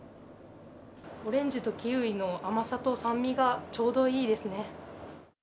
オレンジとキウイの甘さと酸味がちょうどいいですね。